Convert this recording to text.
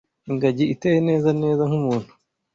ingagi iteye neza neza nk’umuntu